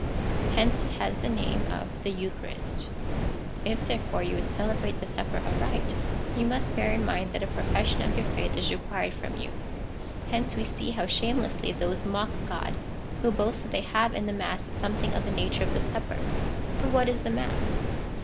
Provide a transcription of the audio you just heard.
Hence it has the name of the Eucharist.^ If, therefore, you would celebrate the Supper aright, you must bear in mind, that a profes, sion of your faith is required from you. Hence we see how shamelessly those mock God, who boast that they have in the mass something of the nature of the Sup per. For what is the mass